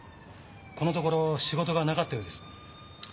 このところ仕事がなかったようです。